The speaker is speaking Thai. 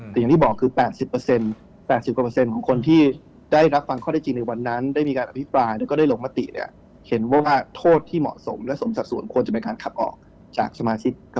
แต่อย่างที่บอกคือ๘๐๘๐ของคนที่ได้รับฟังข้อได้จริงในวันนั้นได้มีการอภิปรายแล้วก็ได้ลงมติเนี่ยเห็นว่าโทษที่เหมาะสมและสมสัดส่วนควรจะเป็นการขับออกจากสมาชิก